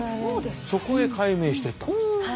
そこへ改名していったんです。